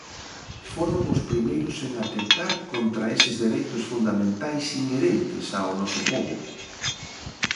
Foron os primeiros en atentar contra eses dereitos fundamentais inherentes ao noso pobo.